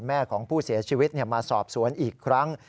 แม่ของผู้เสียชีวิตมาสอบสวนอีกครั้ง